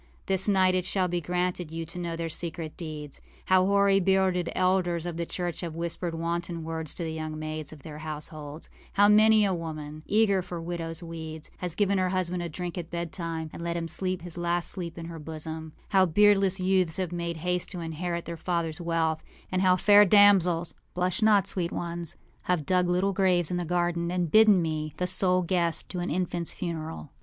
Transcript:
This night it shall be granted you to know their secret deeds: how hoary bearded elders of the church have whispered wanton words to the young maids of their households; how many a woman, eager for widowsâ weeds, has given her husband a drink at bedtime and let him sleep his last sleep in her bosom; how beardless youths have made haste to inherit their fathersâ wealth; and how fair damselsâblush not, sweet onesâhave dug little graves in the garden, and bidden me, the sole guest to an infantâs funeral.